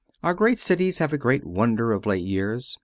Our great cities have a new wonder of late years.